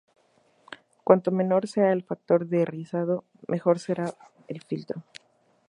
Cuanto menor sea el factor de rizado, mejor será el filtro.